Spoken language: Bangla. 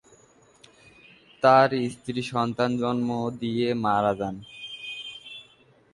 তাঁর স্ত্রী সন্তান জন্ম দিয়ে মারা যান।